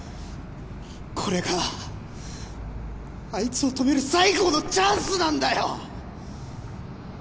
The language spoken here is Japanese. これがあいつを止める最後のチャンスなんだよ！